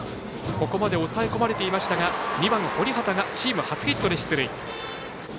ここまで抑えこまれていましたが２番の堀畑がチーム初ヒットで出塁。